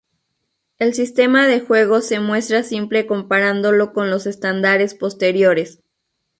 El sistema de juego se muestra simple comparándolo con los estándares posteriores.